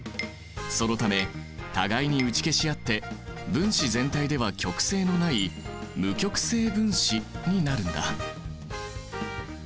そのため互いに打ち消し合って分子全体では極性のない無極性分子になるんだ。